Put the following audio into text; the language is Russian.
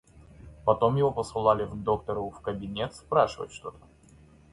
Потом его посылали к доктору в кабинет спрашивать что-то.